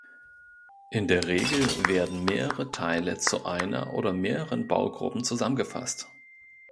In der Regel werden mehrere Teile zu einer oder mehreren Baugruppen zusammengefasst.